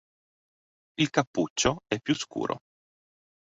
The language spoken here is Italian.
Il cappuccio è più scuro.